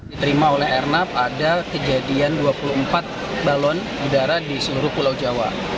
diterima oleh airnav ada kejadian dua puluh empat balon udara di seluruh pulau jawa